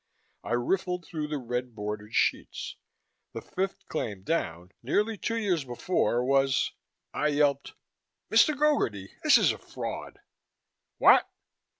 I riffled through the red bordered sheets. The fifth claim down, nearly two years before, was I yelped, "Mr. Gogarty! This is a fraud!" "What?"